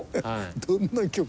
どんな曲？